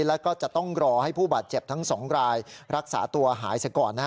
และก็จะต้องรอให้ผู้บาดเจ็บทั้งสองรายรักษาตัวหายเสียก่อน